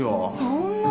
そんな。